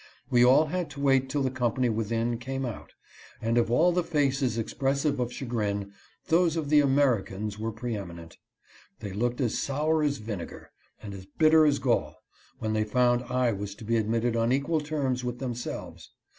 We all had to wait till the com pany within came out, and of all the faces expressive of chagrin, those of the Americans were preeminent. They looked as sour as vinegar, and as bitter as gall, when they found I was to be admitted on equal terms with themselves.